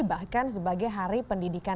bahkan sebagai hari pendidikan